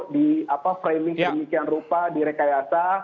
di apa framing semikian rupa direkayasa